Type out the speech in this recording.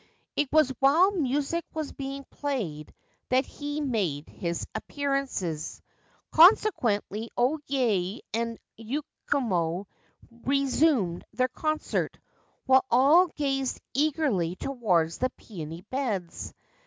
It was while music was being played that he had made his appearances. Consequently, O Yae and O Yakumo resumed their concert, while all gazed eagerly towards the peony beds.